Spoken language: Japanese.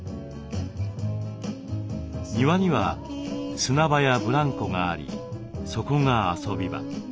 庭には砂場やブランコがありそこが遊び場。